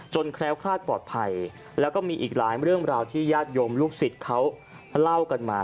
แคล้วคลาดปลอดภัยแล้วก็มีอีกหลายเรื่องราวที่ญาติโยมลูกศิษย์เขาเล่ากันมา